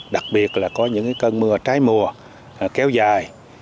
đặc biệt là có những cơn mưa trái mùa kéo dài